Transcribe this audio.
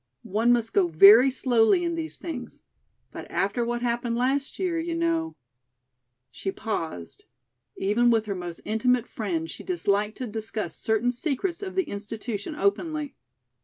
One must go very slowly in these things. But after what happened last year, you know " She paused. Even with her most intimate friend she disliked to discuss certain secrets of the institution openly.